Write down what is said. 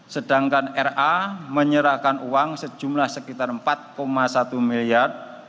sedangkan ra menyerahkan uang sejumlah sekitar rp empat satu miliar